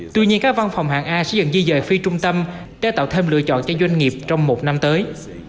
tuy nhiên các văn phòng hạng a sẽ dần di dời phi trung tâm để tạo thêm lựa chọn cho doanh nghiệp trong một năm tới